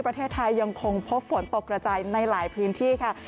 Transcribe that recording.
ประเทศไทยยังคงพบฝนตกกระจายในหลายพื้นที่ค่ะ